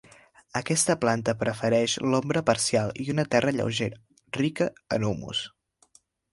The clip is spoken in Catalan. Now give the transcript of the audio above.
Aquesta planta prefereix l'ombra parcial i una terra lleugera, rica en humus.